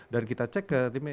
dan kita cek ke timnya